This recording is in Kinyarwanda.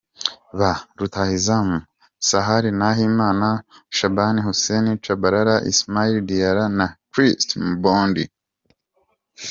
Ba rutahizamu: Shassir Nahimana, Shaban Hussein Tshabalala, Ismaila Diarra na Christ Mbondi.